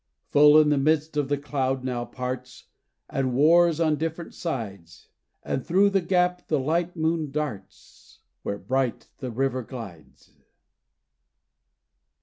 Full in the midst the cloud now parts, And wars on different sides, And through the gap the light moon darts, Where bright the river glides.